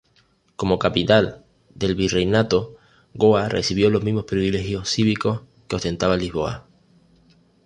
Como capital del virreinato, Goa recibió los mismos privilegios cívicos que ostentaba Lisboa.